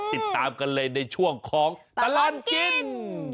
ติดตามกันเลยในช่วงของตลอดกิน